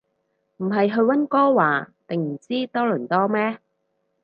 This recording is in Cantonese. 唔係去溫哥華定唔知多倫多咩